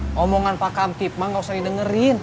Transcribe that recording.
ngomongan pak kamtip mah nggak usah dengerin